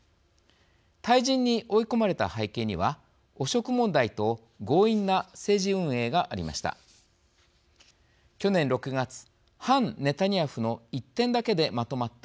退陣に追い込まれた背景には汚職問題と強引な政治運営がありました。